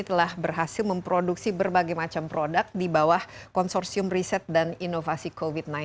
telah berhasil memproduksi berbagai macam produk di bawah konsorsium riset dan inovasi covid sembilan belas